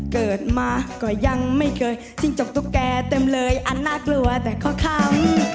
เกิดมาก็ยังไม่เคยจิ้งจกตุ๊กแกเต็มเลยอันน่ากลัวแต่ข้อคำ